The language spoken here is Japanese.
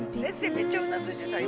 めっちゃうなずいてた今。